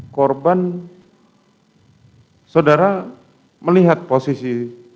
korban saudara melihat posisi